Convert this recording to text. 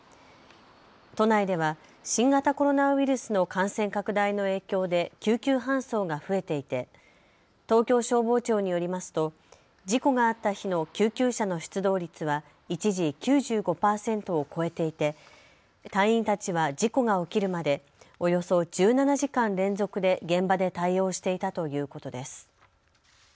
都内では新型コロナウイルスの感染拡大の影響で救急搬送が増えていて東京消防庁によりますと事故があった日の救急車の出動率は一時、９５％を超えていて隊員たちは事故が起きるまでおよそ１７時間連続で現場で対応していたということです。